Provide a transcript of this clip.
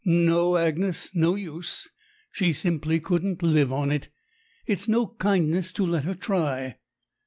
No, Agnes, no use. She simply couldn't live on it. It's no kindness to let her try.